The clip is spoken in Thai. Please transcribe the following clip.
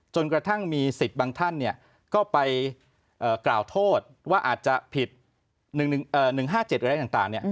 กระทั่งมีสิทธิ์บางท่านก็ไปกล่าวโทษว่าอาจจะผิด๑๕๗อะไรต่าง